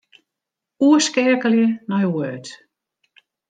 Oerskeakelje nei Word.